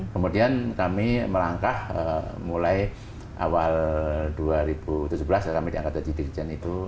kemudian kami melangkah mulai awal dua ribu tujuh belas kami dianggap jadi dirijen itu